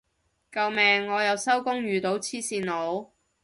救命我又收工遇到黐線佬